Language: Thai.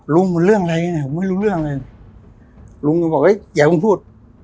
ลุงเรื่องอะไรเนี่ยไม่รู้เรื่องอะไรลุงก็บอกเฮ้ยอย่าพูด